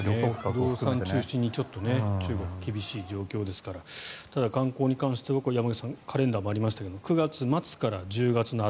不動産中心に中国、厳しい状況ですからただ、観光に関しては山口さんカレンダーにもありましたが９月末から１０月頭